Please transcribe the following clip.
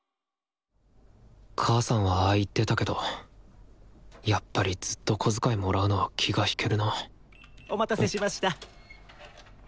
母さんはああ言ってたけどやっぱりずっと小遣いもらうのは気が引けるなお待たせしました。